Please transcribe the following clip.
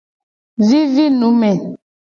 Vivi nu me.